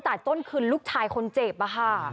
จ่ายต้นคือลูกชายคนเจ็บนะคะ